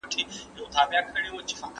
ژوند د صداقت څراغ دی؟